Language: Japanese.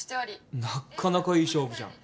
なっかなかいい勝負じゃん。